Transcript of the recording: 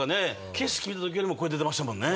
景色見た時よりも声出てましたもんね